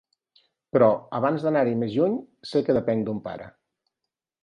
Però, abans d'anar-hi més lluny, sé que depenc d'un pare.